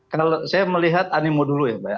kalau saya melihat animo dulu ya mbak